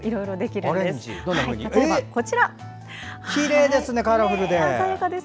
きれいですねカラフルで。